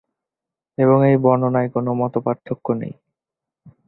এবং এই বর্ণনায় কোনো মতপার্থক্য নেই।